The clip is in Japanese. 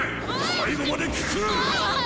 最後まで聞く！